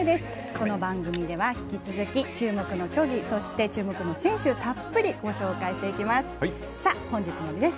この番組では引き続き注目の競技、そして注目の選手たっぷりご紹介していきます。